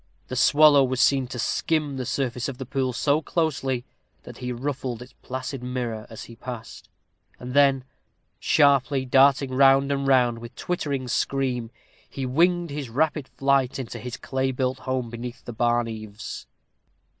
The swallow was seen to skim the surface of the pool so closely that he ruffled its placid mirror as he passed; and then, sharply darting round and round, with twittering scream, he winged his rapid flight to his clay built home, beneath the barn eaves.